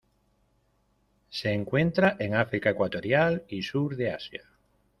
Se encuentra en África ecuatorial y Sur de Asia.